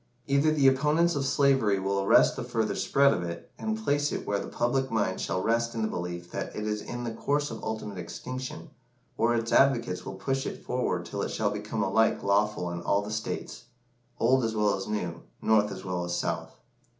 Either the opponents of slavery will arrest the further spread of it, and place it where the public mind shall rest in the belief that it is in the course of ultimate extinction, or its advocates will push it forward till it shall become alike lawful in all the States old as well as new, North as well as South.